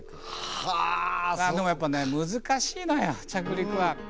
でもやっぱね難しいのよ着陸は。